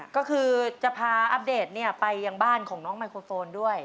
ก็คือจะพาอัปเดตไปยังบ้านของน้องไมโครโฟนด้วย